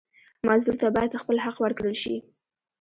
مزدور ته باید خپل حق ورکړل شي.